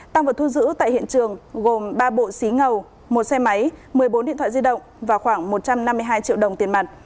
tăng vật thu giữ tại hiện trường gồm ba bộ xí ngầu một xe máy một mươi bốn điện thoại di động và khoảng một trăm năm mươi hai triệu đồng tiền mặt